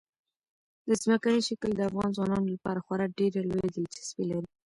ځمکنی شکل د افغان ځوانانو لپاره خورا ډېره لویه دلچسپي لري.